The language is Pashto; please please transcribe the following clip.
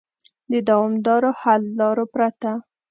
د دوامدارو حل لارو پرته